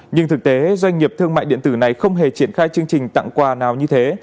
nhưng thực tế doanh nghiệp thương mại điện tử này không hề triển khai chương trình tặng quà nào như thế